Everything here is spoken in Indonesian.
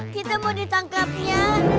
kita mau ditangkap ya